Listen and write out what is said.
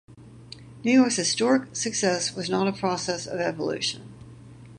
New York’s historic success was not a process of evolution.